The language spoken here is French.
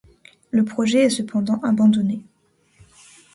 Le projet est cependant abandonné.